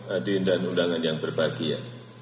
adin dan undangan yang berbahagia